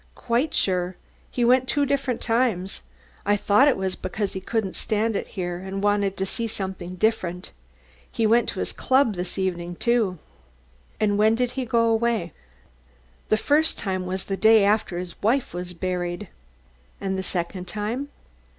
"Quite sure. He went two different times. I thought it was because he couldn't stand it here and wanted to see something different. He went to his club this evening, too." "And when did he go away?" "The first time was the day after his wife was buried." "And the second time?"